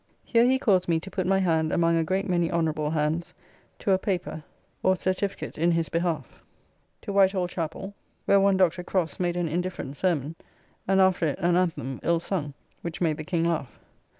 Here he caused me to put my hand among a great many honorable hands to a paper or certificate in his behalf. To White Hall chappell, where one Dr. Crofts made an indifferent sermon, and after it an anthem, ill sung, which made the King laugh.